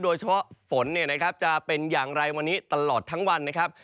ฝนจะเป็นอย่างไรวันนี้ตลอดทั้งวันนะครับ